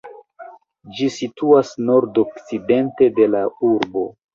Ĝi situas nordokcidente de la urbo.